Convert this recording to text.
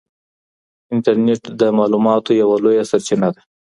انټرنېټ د معلوماتو يوه لويه سرچينه ده.